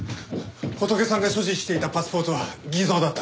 ホトケさんが所持していたパスポートは偽造だった。